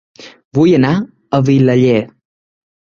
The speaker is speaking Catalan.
Vull anar a Vilaller